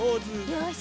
よし。